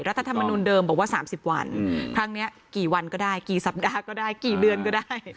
รัฐธรรมนุนเดิมบอกว่า๓๐วันครั้งนี้กี่วันก็ได้กี่สัปดาห์ก็ได้กี่เดือนก็ได้